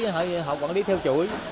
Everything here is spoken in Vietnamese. họ quản lý theo chuỗi